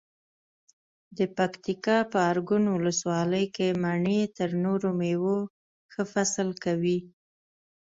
د پکتیکا په ارګون ولسوالۍ کې مڼې تر نورو مېوو ښه فصل کوي.